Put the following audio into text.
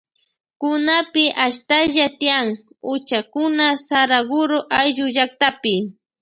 Kunapi ashtalla tiyan huchakuna Saraguroayllu llaktapi.